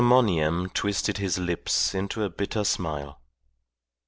Monygham twisted his lips into a bitter smile.